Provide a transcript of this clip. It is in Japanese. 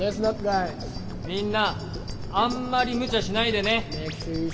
ｇｕｙｓ．みんなあんまりむちゃしないでね。